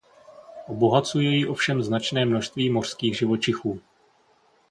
Obohacuje ji ovšem značné množství mořských živočichů.